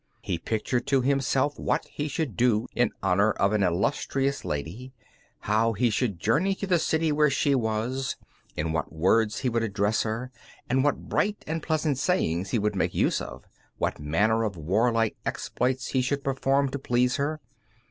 He pictured to himself what he should do in honor of an illustrious lady, how he should journey to the city where she was, in what words he would address her, and what bright and pleasant sayings he would make use of, what manner of warlike exploits he should perform to please her.